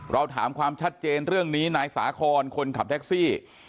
เราถามความชัดเจนเรื่องนี้นายสาคอนคนขับแท็กซี่